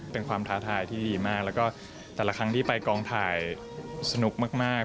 เป็นความท้าทายที่ดีมากแล้วก็แต่ละครั้งที่ไปกองถ่ายสนุกมาก